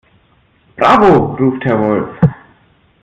"Bravo!", ruft Herr Wolf.